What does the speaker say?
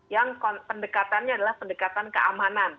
yang pendekatannya adalah pendekatan keamanan